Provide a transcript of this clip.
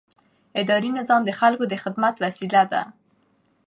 اداري نظام د خلکو د خدمت وسیله ده.